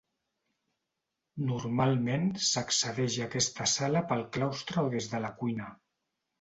Normalment s'accedeix a aquesta sala pel claustre o des de la cuina.